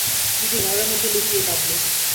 দিদি ঘরের মধ্যে লুকিয়ে কাঁদলেন।